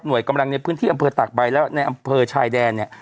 กำลังในพื้นที่อำเภอตากใบและในอำเภอชายแดนเนี่ย